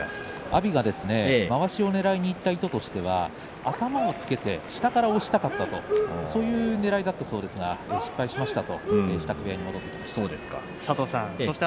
阿炎は、まわしをねらいにいった意図としては頭をつけて下から押したかったとそういうねらいだったんですが失敗しましたと話していました。